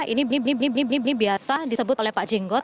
ini bini bini bini bini bini biasa disebut oleh pak jenggot